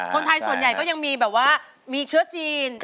คนไทยส่วนใหญ่ก็ยังมีแบบว่ามีเชื้อจีน